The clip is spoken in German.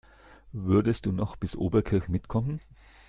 Würdest du noch bis Oberkirch mitkommen?